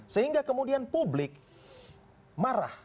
sehingga kemudian publik marah